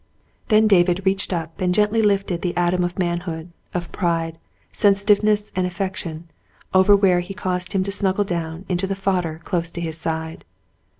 Then David, reached up and gently lifted the atom of manhood, of pride, sensitiveness, and affection, over where he caused him to snuggle down in the fodder close to his side.